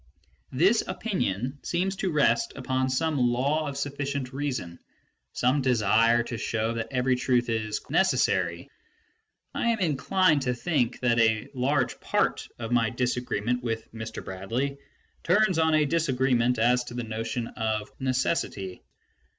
This opinion seems to rest upon some law of sufficient reason, some desire to show that every truth is " necessary ". I am in clined to think that a large part of my disagreement with Mr. Bradley turns on a disagreement as to the notion of " necessity